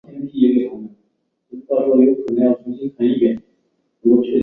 李树兰率其第三十三团转辖于第一一八旅高魁元旅长麾下。